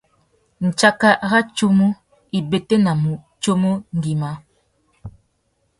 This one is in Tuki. Ndjaka râ tsumu i bétēnamú tsumu ngüimá.